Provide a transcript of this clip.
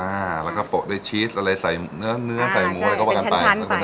อ่าแล้วก็โปะด้วยชีสอะไรใส่เนื้อเนื้อใส่หมูอะไรก็ว่ากันไป